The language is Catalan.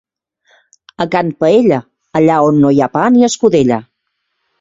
A Can Paella, allà on no hi ha pa ni escudella.